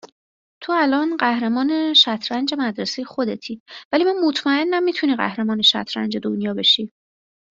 تو الان قهرمان شطرنج مدرسه خودتی ولی من مطمئنم میتونی قهرمان شطرنج دنیا بشی